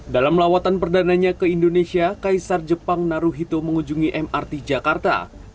dalam lawatan perdananya ke indonesia kaisar jepang naruhito mengunjungi mrt jakarta